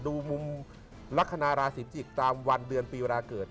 ดูมุมลักษณะราศีจิกษ์ตามวันเดือนปีเวลาเกิด